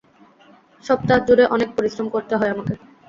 সপ্তাহজুরে অনেক পরিশ্রম করতে হয় আমাকে।